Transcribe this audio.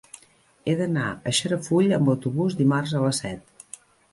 He d'anar a Xarafull amb autobús dimarts a les set.